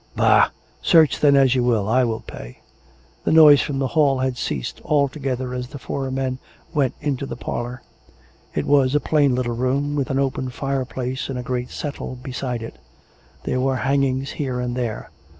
" Bah ! search, then, as you will. I will pay." The noise from the hall had ceased altogether as the four men went into the parlour. It was a plain little room, with an open fireplace and a great settle beside it. There were hangings here and there.